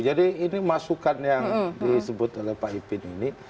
jadi ini masukan yang disebut oleh pak ipin ini